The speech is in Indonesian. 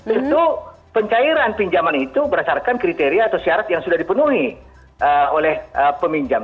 itu pencairan pinjaman itu berdasarkan kriteria atau syarat yang sudah dipenuhi oleh peminjam